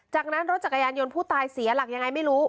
จากนั้นรถจักรยานยนต์ผู้ตายเสียหลักยังไงไม่รู้